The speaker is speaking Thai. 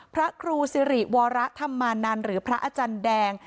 พระครูสิริวรธรรมานันหรือพระอาจารย์แดง